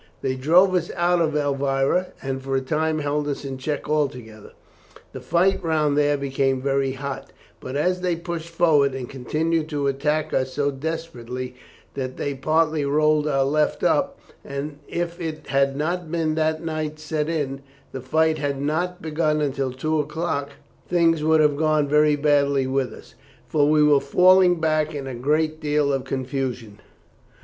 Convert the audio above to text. They drove us out of Elvira, and for a time held us in check altogether. The fight round there became very hot; but they pushed forward and continued to attack us so desperately that they partly rolled our left up, and if it had not been that night set in the fight had not begun until two o'clock things would have gone very badly with us, for we were falling back in a great deal of confusion.